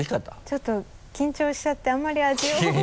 ちょっと緊張しちゃってあんまり味を覚えて